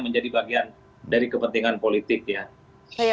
menjadi bagian dari kepentingan politik ya